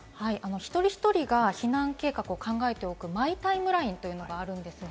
一人一人が避難計画を考えておくマイ・タイムラインというのがあります。